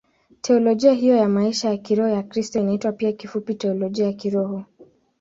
Teolojia hiyo ya maisha ya kiroho ya Kikristo inaitwa pia kifupi Teolojia ya Kiroho.